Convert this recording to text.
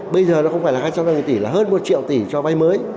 bây giờ nó không phải là hai trăm ba mươi tỷ là hơn một triệu tỷ cho vay mới